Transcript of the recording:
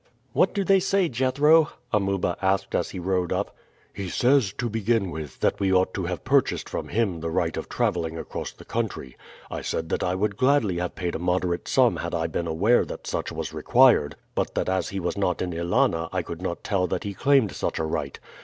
"What do they say, Jethro?" Amuba asked as he rode up. "He says, to begin with, that we ought to have purchased from him the right of traveling across the country. I said that I would gladly have paid a moderate sum had I been aware that such was required, but that as he was not in Ælana I could not tell that he claimed such a right.